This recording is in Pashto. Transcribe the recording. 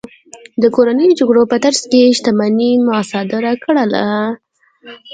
د کورنیو جګړو په ترڅ کې شتمنۍ مصادره کړل.